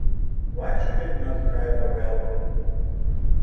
Why she did not cry for help?